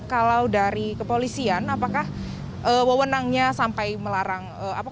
kalau dari kepolisian apakah wewenangnya sampai melarang